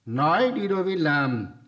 nói đi đối với làm